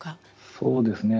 そうですね。